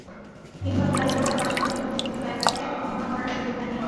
কিংবা খেয়াল করলেও পাশাপাশি এভাবে দুটি ব্যাট রেখে তুলনা করার সুযোগ হয়নি।